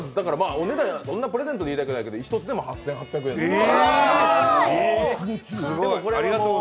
お値段、そんなプレゼントで言いたくないけど１つでも、８８００円という。